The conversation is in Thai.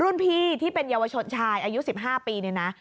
พี่ที่เป็นเยาวชนชายอายุ๑๕ปีเนี่ยนะ